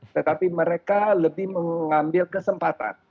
tetapi mereka lebih mengambil kesempatan